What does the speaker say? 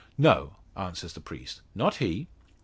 "No," answers the priest. "Not he."